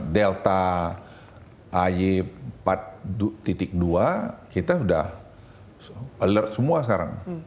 delta ay empat dua kita sudah alert semua sekarang